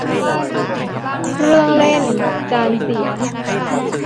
เครื่องเล่นจานเสียง